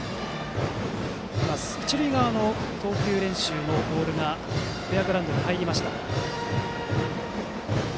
一塁側の投球練習のボールがフェアグラウンドに入りました。